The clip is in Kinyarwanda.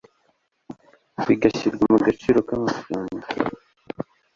bigashyirwa mu gaciro k amafaranga